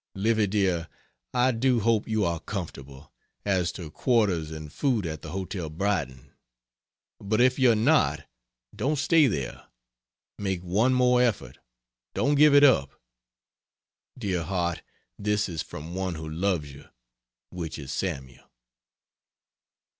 Livy dear, I do hope you are comfortable, as to quarters and food at the Hotel Brighton. But if you're not don't stay there. Make one more effort don't give it up. Dear heart, this is from one who loves you which is Saml.